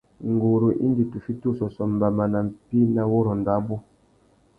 Nguru indi tu fiti ussôssô mbama nà mpí nà wurrôndô abú.